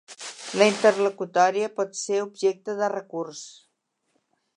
La interlocutòria pot ser objecte de recurs.